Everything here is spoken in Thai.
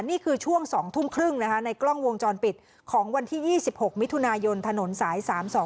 นี่คือช่วง๒ทุ่มครึ่งนะคะในกล้องวงจรปิดของวันที่๒๖มิถุนายนถนนสาย๓๒